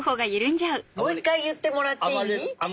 もう一回言ってもらっていい？